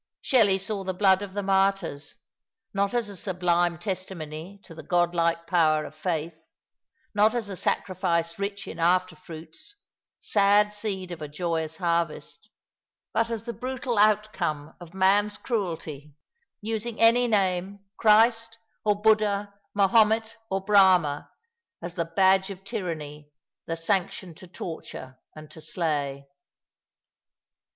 Shelley saw the blood of the martyrs, not as a sublime testimony to the Godlike power of faith, not as a sacrifice rich in after fruits, sad seed of a joyous harvest — but as the brutal outcome of man's cruelty, using any name, Christ, oy ^^ In the Shadow of the Tomb J' 255 Buddha, Mahomet, or Brahma— as the badge of tyranny, the sanction to torture and to slay.